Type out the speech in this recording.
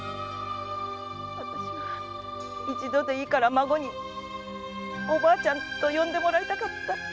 わたしは一度でいいから孫に「おばあちゃん」と呼んでもらいたかった！